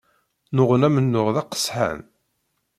Nnuɣen amennuɣ d aqesḥan.